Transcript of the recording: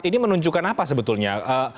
ini menunjukkan apa sebetulnya